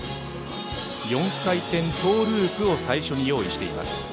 ４回転トーループを最初に用意しています。